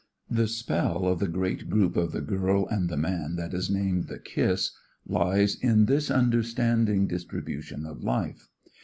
The spell of the great group of the girl and the man that is named "The Kiss" lies in this understanding distribution of life.